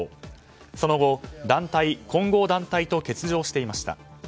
その後、団体、混合団体と欠場していました。